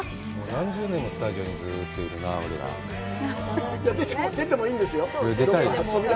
何十年もスタジオにずっといるな俺ら出てもいいんですよ出たいよ